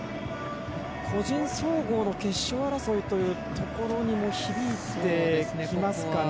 個人総合の決勝争いというところにも響いてきますかね。